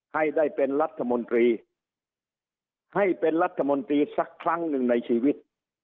ให้ได้เป็นรัฐมนตรีให้เป็นรัฐมนตรีสักครั้งหนึ่งในชีวิต